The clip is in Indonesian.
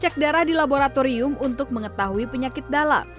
cek darah di laboratorium untuk mengetahui penyakit dalam